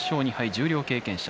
十両経験者。